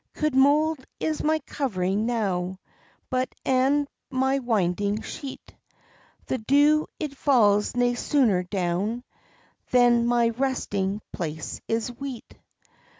"Cauld mould is my covering now, But and my winding sheet; The dew it falls nae sooner down Than my resting place is weet.